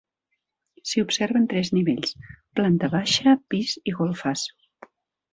S'hi observen tres nivells, planta baixa, pis i golfes.